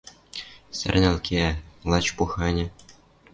Сӓрнӓл кеӓ, лач поханя